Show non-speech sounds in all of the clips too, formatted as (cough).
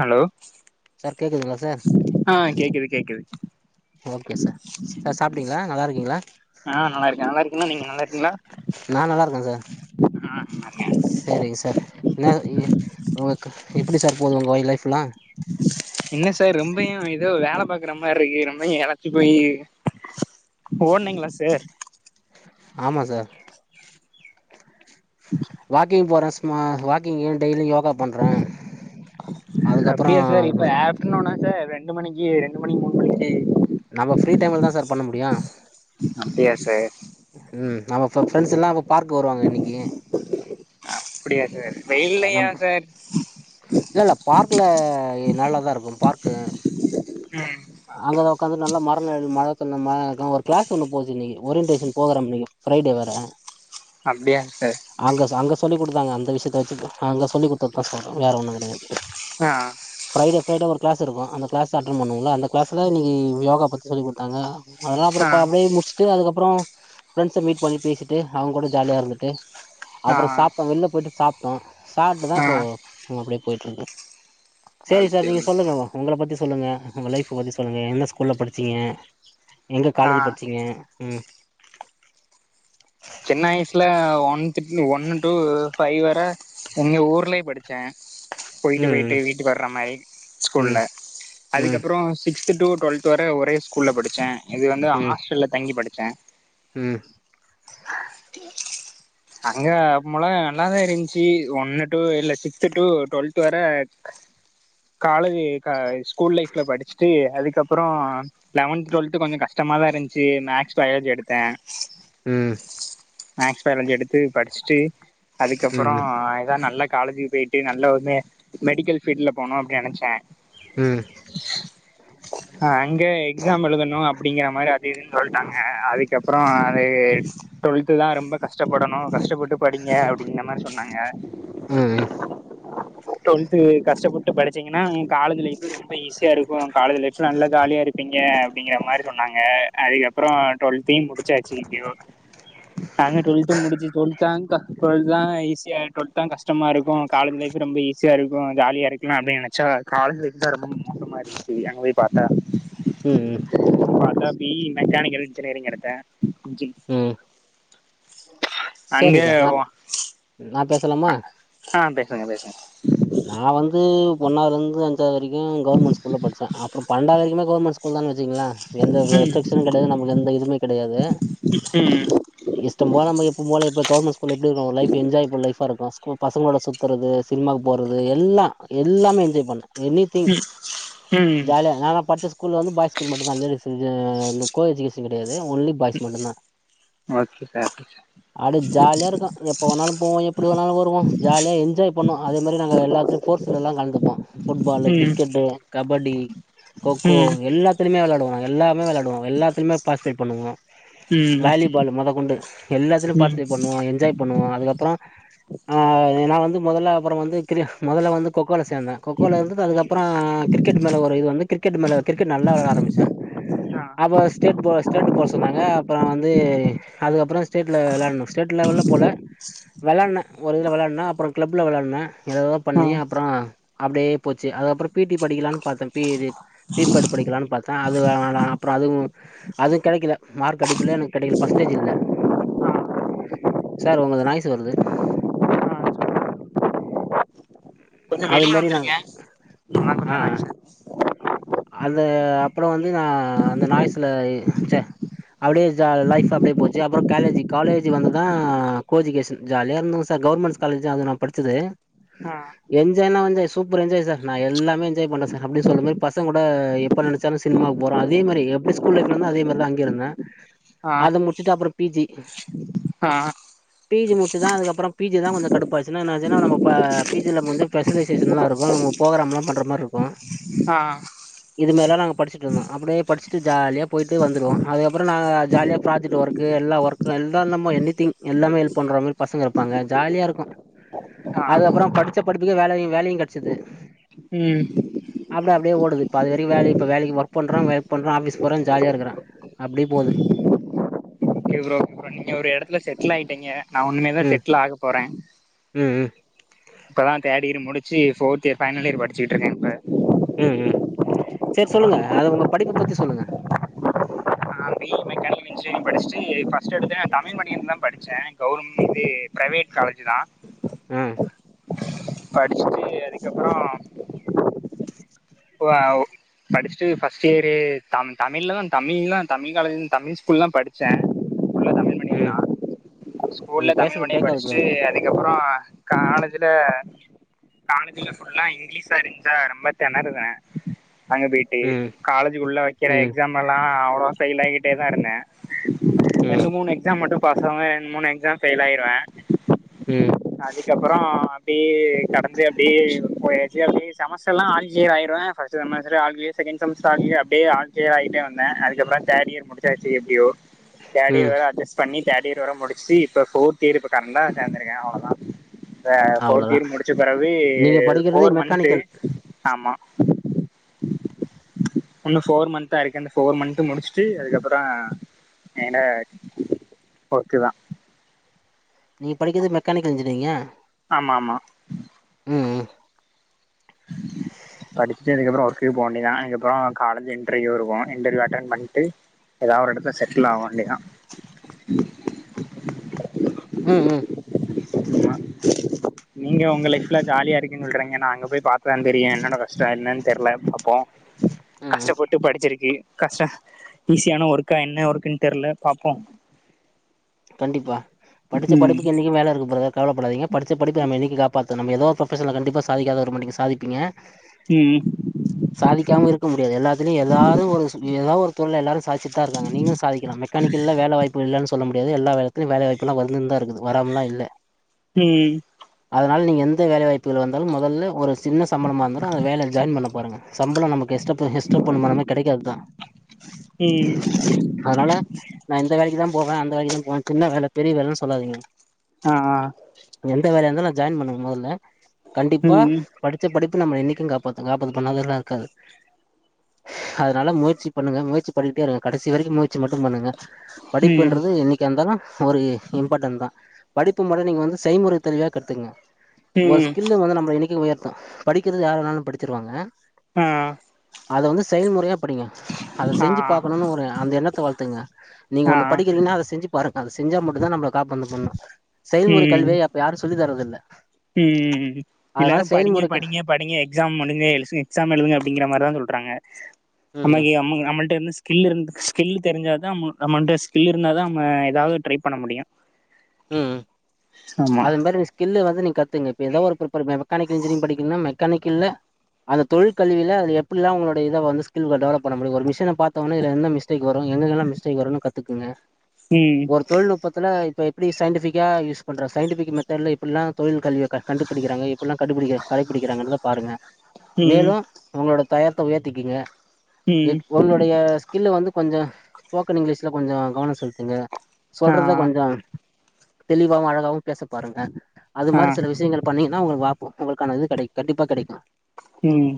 Hello sir கேக்குதுங்ளா sir ஆ கேக்குது கேக்குது ஓகே சார் சார் சாப்ட்டீங்ளா நல்லா இருக்கீங்ளா இன்ன நீங்க நல்லா இருக்கீங்ளா இருக்கே சார் அ (unintelligible) சேரிங்க சார் என்ன உங்களுக்கு எப்டி சார் போது உங்க வொ லைஃப்பெல்லா என்ன சார் ரொம்பயு எதோ வேல பாக்குற மாரி இருக்கு ரொம்பயு எலச்சு போயி ஓட்னிங்ளா சார் ஆமா சார் வாக்கிங் போறே ஸ்சும்மா வாக்கிங்கு டெய்லி யோகா பண்றே அதுக்கப்றோ இன்னோனு சார் ரெண்டு மணிக்கி ரெண்டு மணி மூணு மணிக்கி நம்ம பீரி டைம்லா தா சார் பண்ண முடியு அப்டியா சார் ம் நம்ம இப்ப ஃப்ரெண்ட்ஸ் எல்லா அப்ப பார்க்கு வருவாங்க இன்னைக்கி அப்டியா சார் வெயில்லியா சார் இல்லல்ல பார்க்ல நல்லாதா இருக்கும் பார்க்கு ம் அங்கதா உக்காந்து நல்ல மர நெழல் மரத்த நம்ம ஒரு க்ளாஸ் ஒண்ணு போச்சு இன்னைக்கி ஓரியன்டேஷன் ப்ரோக்ராம் இன்னைக்கி ஃப்ரைடே வேற அப்டியா சார் அங்க அங்க சொல்லி குடுத்தாங்க அந்த விஷயத்த வெச்சு தா அங்க சொல்லிக் குடுத்ததுதா சொல்றே வேற ஒண்ணு கெடையாது ஆ ஃப்ரைடே ஃப்ரைடே ஒரு க்ளாஸ் இருக்கு அந்த க்ளாஸ் அட்டன் பண்ணுவோல அந்த க்ளாஸ்ல இன்னிக்கி யோகா பத்தி சொல்லி குடுத்தாங்க அதெல்லா அப்ற ஆ ப அப்டியே முடிச்சிட்டு அதுக்கப்றோ ஃபெரெண்ட்ஸ மீட் பண்ணி பேசிட்டு அவுங் கூட ஜாலியா இருந்துட்டு ஆ அப்றோ சாப்டோ வெள்ல போயிட்டு சாப் டோ சாப்ட்டுதா ஆ இப்போ அப்டியே போயிட்ருக்கோ சேரி அது சார் சரி நீங்க சொல்லுங்க உங்கள பத்தி சொல்லுங்க உங்க லைஃப்ப பத்தி சொல்லுங்க எந்த ஸ்கூல்ல படிச்சிங்க எங்க ஆ காலேஜ் படிச்சிங்க ம் சின்ன வய்சுல ஒன் திர்னு ஒன்னு டூ ஃபைவ் வர எங்க ஊர்லே படிச்சே போயிட்டு ம் போயிட்டு வீட்டுக்கு வர்ற மாரி ம் ஸ்கூல்ல ம் அதுக்கப்புறோ சிக்ஸ்து டூ டுவெல்த் வர ஒரே ஸ்கூல படித்சே இது வந்து ஹாஸ்டல்ல தங்கி படிச்சே ம் அங்க மொலா நல்லாதா இருந்துச்சு ஒண்ணு டூ இல்ல சிக்ஸ்து டூ டுவெல்த் வர காலேஜ் கா ஸ்கூல் லைஃப்ல படிச்சுட்டு அதுக்கப் ப்புறோ லெவன்த் டுவெல்த்து கொஞ்சோ கஷ்டமா தா இருந்துச்சு மேக்ஸ் பயாலஜி எடுத்தே ம் மேக்ஸ் பயாலஜி எடுத்து படிச்சுட்டு அதுக்கப்புறோ ம் ம் எதா நல்லா காலேஜ் பேய்ட்டு நல்லா ஒர்மே மெடிக்கல் பீல்ட்ல போனு அப்டின்னு நினைச்சே ம் ஆ அங்க எக்ஸாம் எழுதணு அப்பிடிங்கற மாரி அது இதுனு சொல்லிட்டாங்க அதுக்கப்புறோ அது டூவெல்துதா ரொம்ப கஷ்டப்படணோ கஷ் ஷ்டப்பட்டு படிங்க அப்படிங்கனா மாரி சொன்னாங்க ம் டொன்த்து கஷ்டப்பட்டு படிச்சீங்கன்னா ம் காலஜ் லைஃபு ரொம்ப ஈஸியாருக்கும் காலேஜ் லைஃப் நல்ல ஜாலியா இருக்கோ டிங்க அப்டிங்கிற மாரி சொன்னாங்க அதுக்கப்புறம் டுவெல்த்தையும் முடிச்சாச்சு எப்டியோ நாங்க டுவல்த் முடிச்சு டுவெல்தாங்கா டுவெல்த்லா ஈஸியா டுவெல்தா கஷ்டமா இருக்கோ காலேஜ் லைஃப் ரொம்ப ஈஸி சேரி இப்போ ஜாலியா இருக்கலா அப்டின்னு நெனைச்சா காலேஜ் லைஃப்தா ரொம்ப மோசமா இருந்துச்சு அங்க போய் பாத்தா ம் ம் பாத்தா பி இ மெக்கானிக்கல் இன்ஜினியரிங் எடுத்தே ஜி ம் அங்க சேரி ஸார் நா நா பேசலாமா ஆ பேசுங்க பேசுங்க நா வந்து ஒன்னாவதுல இருந்து அஞ்சாவது வரைக்கூ கவர்மெண்ட் ஸ்கூல்ல படிச்சே அப்புறோ பன்னன்டாவது வரைக்குமே கவர்மெண்ட் ஸ்கூ ஸ்கூல் தா வச்சுக்கங்களே எந்த ம் ரெஸ்ட்க்ஷனு கிடையாது நமக்கு எந்த இதுவுமே கிடையாது ம் இஷ்டம் போல நமக் இப் இப்பவூ போல எப்போ கவர்மெண்ட் ஸ்கூல்ல எப்டி இருக்கோ ஒரு லைஃப் என்ஜாய்ஃபுல் லைஃப் ஆ இருக்கு ஸ்கூல் பசங்களோட சுத்துறது சின்மாக்கு போறது எல்லா எல்லாமே என்ஜாய் பண்ணே எனி திங் ம் ம் ஜாலியா நாங் பர்ச்சேஸ் ஸ்கூல வந்து ஃபாய்ஸ் ஸ்கூல் மட்டு தா லெடிஷ் ஜெ கோ எஜிகேஷன் கிடையாது ஒன்லி பாய்ஸ் மட்டுதா அத் சோரி அடுத் ஜாலியா இருக்கோ எப்போ வேணாலூ போவோ எப்டி வேணாலூ வருவோ ஜாலியா என்ஜாய் பண்ணோ அதே மாரி நாங்க எல்லாத்துலயு ஸ்போட்ஸ்லலா கலந்துப்போ ஃபுட்பாலு ம் கிரிக்கெட்டு கபடி கோக்கோ ம் எல்லாத் திறமியா வெளையாடுவாங்க எல்லாமோ வெளையாட் எல்லாத்திலுமே பார்ஸ்பேட் பண்ணுவோ ம் வாலிபாலு மொத கொண்டு எல்லாத்திலும் ம் பண்ணுவோ என்ஜாய் பண்ணுவோ அதுக்கப்புறோ ஆ நா வந்து மொதல்ல அப்புறோ வந்து கிரி மொதல்ல வந்து கோக்கோல சேந்தே கோக்கோலருந்து அதுக்கப்புறோ கிரிக்கெட் மேல ஒரு இது வந்து கிரிக்கெட் மேல கிரிக்கெட் நல்லா வெளாட ஆரம்பிச்சே ஆ அப்போ ஸ்டேட் போ ஸ்டேட்டு போக சொன்னாங்க அப்றோ வந்து அதுக்கப்புறம் ஸ்டேட்ல வெளான் ஸ்டேட் லெவல்ல போல வெளாண்ட ஒரு இதுல வெளாண்னா அப்புறம் கிளப்ல வெளாண்னா ஏதேதோ ஆ பண்ணி அப்புறோ அப்டியே போச்சி அதுக்கப்புறம் பி டி படிக்கலான் பாத்தேன் பி இ இது பி படிப் பட் படிக்கலான்னு பாத்தே அது அப்புறோ அதுவும் அது கெடைக்கல மார்க் அடிப்பில்ல எனக்கு கெடைக்கல பர்சன்டேஜ் இல்ல ஆ சார் உங்களது நாய்ஸ் வருது ஆ கொஞ்சோ வெளிய அதுமாரி நான் வந்திருங்க நா கொஞ்சோ நாய்ச்சு அது அப்புறோ வந்து நா அந்த நாய்ஸ்ல அப்டியே ஜா லைஃப் அப்டியே போச்சு அப்றோ காலேஜி காலேஜி வந்துதா கோ எஜுகேஷன் ஜாலியா இருந்தோ சார் கவர்மெண்ட் காலேஜ் தா அது நா படிச்சது ஆ என்ஜாய்னா வந்து சூப்பர் என்ஜாய் சார் நா எல்லாமே என்ஜாய் பண்ணே சார் அப்டி சொல்ல போ பசங்கூட எப்ப நெனச்சாலு சினிமாக்கு போறோ அதே மாரி எப்டி ஸ்கூல் லைஃப்ல இருந்தேனோ அதே மாரி தா அங்கேயு இருந்தே ஆ அது முடிச்சுட்டு அப்றோ பி ஜி ஆ பி ஜி முடிச்சிதா அதுக்கப்றோ பி ஜி தா கொஞ்சோ கடுப்பாச்சு என்னச்சுன்னா நம்ம பா பி ஜில நம்ம வந்து பெசல் வேசேசன்லா இருக்கு நம்ம புரோக்ராம்லா பண்ற மாரிருக்கு ஆ இதுமாரில்லா நாங்க படிச்சட்டுருந்தோ அப்டியே படிச்சுட்டு ஜாலியா போயிட்டு வந்துருவோ அது அப்றோ நா ஜாலியா ப்ராஜெக்ட் ஒர்க் எல்லா ஒர்க்கு எல்லா நம்ம எனிதிங் எல்லாமே ஹெல்ப் பண்ற மாரி பசங்க இருப்பாங்க ஜாலியாருக்கு ஆ அதுக்கப்றோ படிச்ச படிப்புக்கு வேலயு வேலையு கெடச்சிது ம் ஆமா அப்டியே ஓடுது பாதிவரைக்கு வேலைக்கு இப்ப வேலைக்கு ஒர்க் பண்றோ ஒர்க் பண்றோ ஆபிஸ் போறோ ஜாலியா இருக்கிறே அப்டி போது ஓகே ப்ரோ நீங்க ஒரு இடத்துல செட்டில் ஆயிட்டீங்க நா இனிமேல் தா ம் செட்டில் ஆக போறே ம் ம் இப்பதா தேட் இயர் முடிச்சு போர்த் இயர் பைனல் இயர் படிச்சிட்டுருக்கே இப்ப ம் ம் சேரி சொல்லுங்க அது உங்க படிப்ப பத்தி சொல்லுங்க படிச்ட்டு பர்ஸ்ட் எடுத்து நா தமிழ் மிடியம் தா படிச்சே கவர்மெண்ட் இது பிரைவேட் காலேஜ் தா ஆ படிசிட்டு அதுக்கப்றோ (inaudible) வாவ் படிச்சுட்டு ஃபஸ்ட் இயரு தம் தமிழ்ல தா தமிழ்ல தமிழ் காலேஜி தமிழ் ஸ்கூல்ல தா படிச்சே ம் தா ஸ்கூல்ல நீங்க தமிழ் பேசுறது மீடியம் பிரேக் ஆகுது ப்ரோ படிச்சுட்டு அதுக்கப்றோ காலேஜ்ல காலேஜில ஃபுல்லா இங்கிலீஷா இருந்துச்சா ரொம்ப தெனருவே அங்க போயிட்டு ம் காலேஜுக்குள்ள வெக்கிற ம் எக்ஸாம்லல்லா அவ்ளோவா ஃபெயில் ஆகிட்டே தா இருந்தே ரெண்டு ம் மூணு எக்ஸாம் மட்டு பாஸ் ஆவே ஆ மூணு எக்ஸாம் ஃபெயில் ஆயிருவே ம் அதுக்கப்றோ அப்டியே கடந்து அப்டியே போயாச்சு அப்டி செமஸ்டர் எல்லா ஆல்கிளியர் ஆயிருவ ஃபர்ஸ்ட் செமஸ்டரே all clear second semester all clear அப்டியே ஆல்கிளியர் ஆகிட்டேவந்தே அதுக்கப்றோ தேடியர் முடிச்சாச்சு எப்டியோ ம் தேடியர் வர அட்ஜஸ்ட் பண்ணி தேடியர் வர முடிச்சு இப்ப போர்த்தியர் கரண்டா உக்காந்துருக்கே அவ்ளோதா இப்ப போர்த் அவ்ளோதா இயர் முடிச்ச பிறகு நீங்க படிக்கிறது ஃபோர் மந்து மெக்கானிக்கல் ஆமா இன்னு ஃபோர் மந்த்தா இருக்க அந்த ஃபோர் மந்த் முடிச்சுட்டு அதுக்கப்றோ மேலே ஓர்க்குதா நீங்க படிக்கிறது மெக்கானிக்கல் இன்ஜினியரிங்கா ஆமா ஆமா ம் ம் படிச்சிட்டு இதுக்கப்றோ ஒர்க் போ வேண்டிதா இதுக்கப்றோ காலேஜ் இன்டர்வியூக்கு வருவோ இன்டர்ரயூ அட்டென்பண்ணிட்டு ஏதா ஒரு எடத்துல செட்டிலாவ வேண்டியதா ம் ம் ஆமா நீங்க ஒங்க லைப்ல ஜாலியா இருக்குன் சொல்றீங்க நா அங்க போய் பாத்ததாதெரியு என்னோட கஷ்டோ என்னனு தெர்ல பாப்போ ம் ம் கஷ்டப்பட்டு படிச்சிருக்கு கஷ்ட ஈஸியான ஒர்க்கா என்ன ஒர்க்குன்னு தெர்ல பாப்போ கண்டிப்பா படிச்ச ம் படிப்புக்கு என்னிக்கு வேலருக்கு பிரதர் கவலப்படாதீங்க படிச்ச படிப்பு நம்ம என்னிக்கு காப்பாத் தும் நம்ம ஏதோ ஃப்ரொபஷனல்ல கண்டிப்பா சாதிக்காத இருக்கமாட்டீங்க சாதிப்பீங்க ம்ம் சாதிக்காம இருக்க முடியாது எல்லாத்திலயு எதாது ஒரு சு ஏதா ஒரு தொழில்ல எல்லாரு சா செப்ஃபா இருக்காங்க நீங்களு சாதிக்கலா மெக்கானிக்கல்ல வேல வாய்ப்புகள் இல்லன்னு சொல்லடியாது எல்லா வேலத்திலு வேல வாய்ப்பெலா வந்துந்தா இருக்குது வராமலா இல்ல ம் அதனால நீங்க எந்த வேல வாய்ப்புகள் வந்தாலு மொதல்ல ஒரு ஸ் சின்ன சம்பளமா இருந்தாலு அந்த வேல்ல ஜாயின் பண்ண போறங்க சம்பளோ நமக்கு எஷ்டப் ஹெஷ்டப்பு பண்ணமாரி கெடைக்காதுதா ம் அதனால நா இந்த வேலைக்குதா போவே அந்த வேலைக் ஒ சின்ன வேல பெரிய வேலன்னு சொல்லாதீங்க அ ஆ எந்த வேலயாருந்தான்ன ஜாயின் பண்ணுங்க மெதல்ல கண்டிப்பா ம் படிச்ச படிப்பு நம்ம என்னிக்கு காப்பாத்து காப்பாது பண்ணாதெல்லா இருக்காது அதனால முயற்சி பண்ணுங்க முயற்சி பணீட்டே இருங்க கடைசி வரைக்கு முயற்சி மட்டு பண்ணுங்க ம் படிப்பென்றது என் ர்ந்தாலு ஒரு இம்பார்ட்டன்தா படிப்பு மொற நீங்க வந்து செய்மொற தெரவயா கத்துக்குங்க ஒரு ம் ஸ்கில்லு வந்து நம்ம என்னைக்கு உயர்த்தூ படிக்கிறது யார் வேனாலு படிச்சிருவாங்க ஆ ஆ அத வந்து செயல்மொறயா படிங்க அத செஞ்சு ஆ பாக்கணுனு ஒரு அந்த எண்ணத்த வளத்துங்க நீங்க ஆ ஒன்னு படிக்கிறீங்ன்னா அத செஞ் பாருங்க அது செஞ்சா மட்டுதா நம்மள காப்பாந்து அந்த பொண்ணு செயல்முறை கல்வியப்ப யாரு சொல்லி தர்றதுல்ல ம்‌ ம்‌ம் ம் எல்லாரு படிங்க படிங்க படிங்க எக்ஸாம் முடிஜ்ஜே எக்ஸாம் எழுதுங்க அப்டிங்கிங்ற மாரிதான் சொல்றாங்க. ம் ம் நம்மல்ட்டந்து கில் இருந்து ஸ்கில் தெரிஞ்சாதான் நம்மன்ட ஸ்கில் இருந்தா தான் நம்ம எதாது ட்ரை பண்ண முடியும் ம் ஆமா அத மேரி ஸ் கில்லு வந்து நீங் கத்துங்க இப்போ ஏதா ஒரு பிரிப்பர் மெக்கானிக்கல் இன்ஜினிரிங் படிக்கீங்கன்னா மெக்கானிக்கல்ல அந்த தொழில்கல்வில அது எப்டில்லா உங்களோட இத வந்து ஸ்கில் டெவலப் பண்ண முடியு ஒரு மிஷின பாத்தோன்னே இதுல்ல என்ன மிஸ் டேக் வரு எங்கங்கல்லா மிஸ்டேக் வருனு கத்துக்குங்க ம் ஒரு தொழில்நுப்பத்துல இப்ப எப்டி சயின்டிபிக்கா யூஸ் பண்ற சயன்டிஃபிக்மெத்தட்ல எப்டிலா தொழில் கல்விய க கண்டுபுடுக்கிறாங்க எப் டிலா கண்டுபுடிக்க கடைபிடிக்கிறாங்கன்றத பாருங்க ம் மேலும் உங்களோட தயத்த உயர்த்திகீங்க ம் எக் உங்களுடைய ஸ்கில்ல வந்து கொஞ்சோ ஸ்போக்கன் இங்கிலிஷ்ல கொஞ்சோ கவன செலுத்துங்க ஆ சொல்றத கொஞ்சோ தெளிவாவு அழகாவு பேச பாருங்க அது ஆ மாரி சில விஷயங்கள் பண்ணீங்கன்னா உங்களுக்கு வாபு உங்களுக்கானது இது கெடைக்கு கண்டிப்பா கெடைக்கு ம்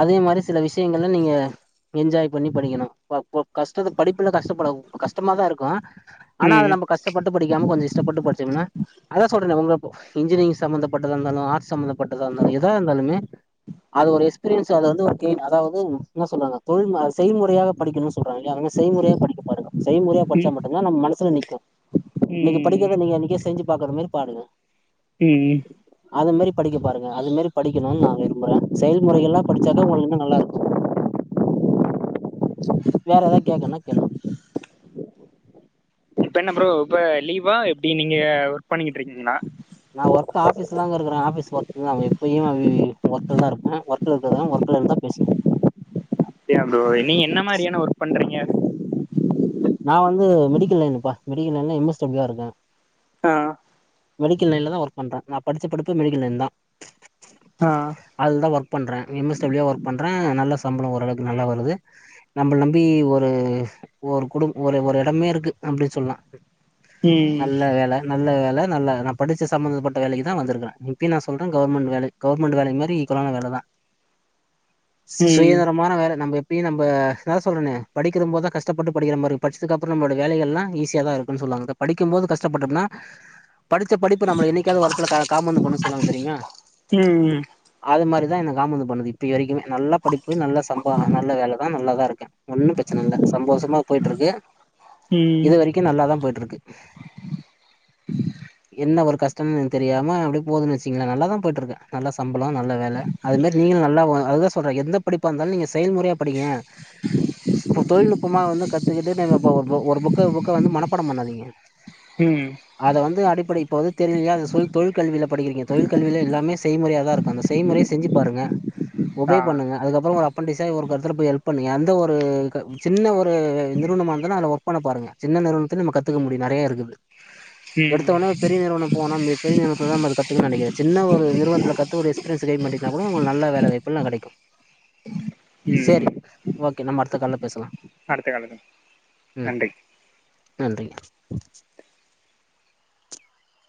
அதே மாரி சில விஷியங்கல்ல நீங்க என்ஜாய் பண்ணி படிக்கணு கா கொ கஷ்டத்த படிப்புல கஷ்டப்பட கஷ்டமாதா இருக்கு ஆனா அத ம் நம்ம கஷ்டப்பட்டு படிக்காம கொஞ்ச இஷ்டப்பட்டு படிச்சோமினா அதா சொல்றேனே ஒங்க இன்ஜினியரிங் சம்மந்தப்பட்டதா இருந்தாலூ ஆர்ட்ஸ் சம்ந்தப்பட்டதா இருந்தாலு எதா இருந்தாலூமே அது ஒரு எக்ஸ்பீரியன்ஸு அதவந்து ஒரு கெய்ன் அதாவது என்ன சொல்வாங்க தொழில் ம செயல்முறையாக படிக்கிணு சொல்றா எல்லாரும் செய்முறையா படிக்க பாருங்க செய்முறையா ம் படிச்சா மட்டும்தான் நம்ம மனசுல நிக்கும் இன்னைக்கு படிக்கிறத ம் நீங்க அன்னைக்கே செஞ்சு பாக்குற மாரி பாருங்க ம்ம் அது மேரி படிக்க பாருங்க அது மேரி படிக்கணுன் நா விரும்புறே செயல்முறைகள் எல்லா படிச்சாக்க உங்களுக் இன்னு நல்லா இருக் கோ வேற எதா கேக்கன்னா கேளுங்க இப்ப என்ன ப்ரோ இப்ப லீவா எப்டி நீங்க ஒர்க் பண்ணிக்கிட் இருக்கிங்களா நா ஒர்க் ஆஃபீஸ்லதாங்க இருக்கறே ஆபிஸ் ஒர்க் நா எப்பயு வி வி ஒர்க்ல தா இருப்பே ஒர்க்ல இருக்றதா ஒர்க் க்ல இருந்தா பேசுனு அப்டியா ப்ரோ நீங்க என்ன மாரியான ஒர்க் பண்றீங்க நா வந்து மெடிக்கல் லைனுப்பா மெடிக்கல் லைன்ல எம் எஸ் டபிள்யுவா இருக்கே ஆ மெடிக்கல் லைன்ல தா ஒர்க் பண்றே நா படிச்ச படிப்பு மெடிக்கல் லைன் தா ஆ அதுல தா ஒர்க் பண்றே எம் எஸ் டபிள்யுவா ஒர்க் பண்றே நல்ல சம்பளோ ஓரளக்கு நல்லா வருது நம்பள நம்பி ஒரு ஒரு கு குடும் ஒரு ஒரு எடமே இருக்கு அப்டி சொல்லா ம் நல்ல வேல நல்ல வேல நல்ல நா படிச்ச சம்பந்தப்பட்ட வேலைக்கு தா வந்திருக்குறே இப்பயு நா சொல்றே கவர்மெண்ட் வேலை கவர்மெண்ட் வேலை மாரி ஈக்குவலான வேல தா ம் சுயநரமான வேல நம்ம எப்பயு நம்ப நா தா சொல்றனே படிக்கிறம் போதுதா கஷ்டப்பட்டு படிக்கிற மாரி இருக்கு படிச்சதுக்கப்றோ நம்மோட வேலைகள்லா ஈஸியா தா இருக்குனு சொல்வாங்க படிக்கும் போது கஷ்டப்பட்டோம்னா படிச்ச படிப்பு நம்மல என்னைக்காவது ஒரெடத்துல கா காம்பந்து பண்ணு சொல்வாங்க தெரியுமா ம்ம் அது மாரிதா என காமந்து பண்ணுது இப்ப வரைக்குமே நல்லா படிப்பு நல்ல சம்பளோ நல்ல வேலதா நல்லாதா இருக்கே ஒன்னு பிரச்சன இல்ல சந்தோஷமா போயிட் இருக்கு ம் இது வரைக் கு நல்லாதா போயிட் இருக்கு என்ன ஒரு கஷ்டமு தெரியாம அப்டி போதுன்னு வச்சிங்களே நல்லா தா போயிட்ருக்கே நல்லா சம்பளோ நல்ல வேல அது மேரி நீங்களு நல்லா அதுதா சொல்றே எந்த படிப்பா இந்தாலு நீங்க செயல்முறையா படிங்க இப்போ தொழில்நுட்பமா வந்து கத்துக்கிட்டு (unintelligible) போ போ ஒரு புக்க புக்க வந்து மனப்பாடம் பண்ணாதீங்க ம் அது வந்து அடிப்படை இப்ப வந்து தெரியலையா சொ தொழில்கல்வியில படிக்கிறீங்க தொழில்கல்வில எல்லாமே செய்முறையா தா இருக் அந்த செய்முறைய செஞ்சு பாருங்க ஒபே ஆ பண்ணுங்க அதுக்கப்றோ ஒரு அப்பண்டிஸா ஒரு கருத்துல போய் ஹெல்ப் பண்ணு எந்த ஒரு க சின்ன ஒரு நிறுவனமா இருந்தாலு அல ஒர்க் பண்ண பாருங்க சின்ன நிறுவனத்துலயு நம்ம கத்துக்க முடியு நெறைய இருக்குது ம் எடுத்தோனே ஒரு பெரிய நிறுவனம் போனோன்னு பெரிய நிறுவனத்துல தா பாத்து கத்துகுனு நெனைக்காதீங்க சின்ன ஒரு நிறுவனத்துல கத்து ஒரு எஸ்பீரியன்ஸ் கெய்ன் பன்ட்டிங்கனா கூட உங்களுக்கு நல்ல வேலவாய்ப்பெல்லா கெடைக்கு ம் செரி ஓகே நம்ம அடுத்த கால்ல பேசலா அடுத்த காலது ம் நன்றி